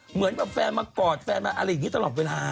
เหมือนแบบแฟนมากอดแฟนมาอะไรอย่างนี้ตลอดเวลา